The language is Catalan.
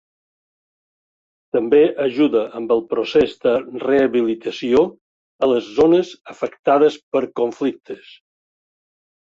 També ajuda amb el procés de rehabilitació a les zones afectades per conflictes.